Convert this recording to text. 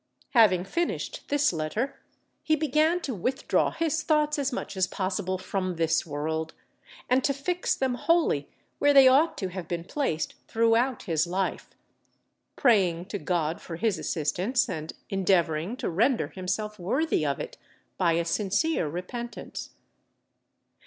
Having finished this letter, he began to withdraw his thoughts as much as possible from this world, and to fix them wholly where they ought to have been placed throughout his life; praying to God for His assistance, and endeavouring to render himself worthy of it by a sincere repentance.